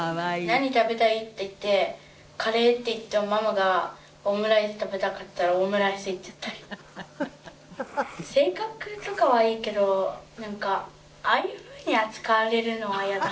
「“何食べたい？”って言って“カレー”って言ってもママがオムライス食べたかったらオムライスいっちゃったり」「性格とかはいいけどなんかああいう風に扱われるのはイヤだ」